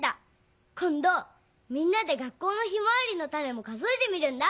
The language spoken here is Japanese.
こんどみんなで学校のヒマワリのタネも数えてみるんだ。